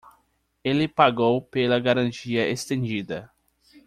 Ele pagou pela garantia extendida